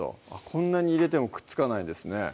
こんなに入れてもくっつかないんですね